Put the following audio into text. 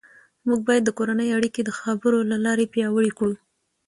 موږ باید د کورنۍ اړیکې د خبرو له لارې پیاوړې کړو